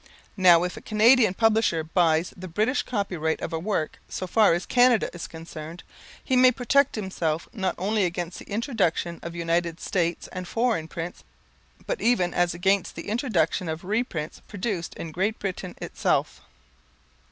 Now, if a Canadian publisher buys the British copyright of a work so far as Canada is concerned, he may protect himself not only against the introduction of United States and foreign prints, but even as against the introduction of reprints produced in Great Britain itself.